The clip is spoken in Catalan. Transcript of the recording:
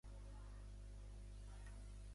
Què hi ha al carrer Gustavo Bécquer cantonada Cabrera?